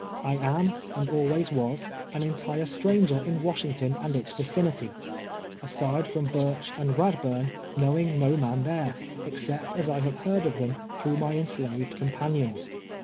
I am, and ahvays was, an entire stranger in Washingt(in and its vicinity — aside from J>urch and Ivadbnrn, knowing no man there, except as I have heard of them throngh my enslaved companions.